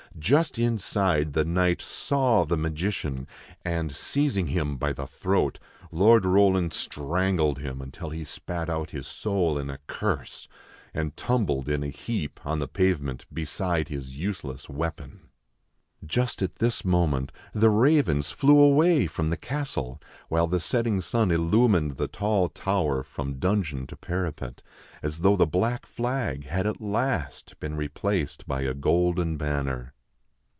Just inside the Knight saw the magician; and, seizing him by the throat, Lord Roland strangled him until he spat out his soul in a curse, and tumbled in a heap on the pavement beside his useless weapon. Just at this moment the ravens flew away from the castle, while the setting sun illumined the tall tower from dungeon to parapet, as though the black flag had at last been replaced by a golden banner.